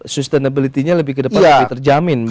sustainability nya lebih ke depan lebih terjamin